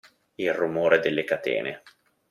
Il rumore delle catene.